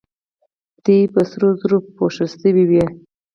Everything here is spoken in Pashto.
دوی په سرو زرو پوښل شوې وې